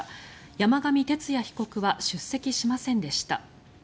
山上徹也被告は出席しませんでした。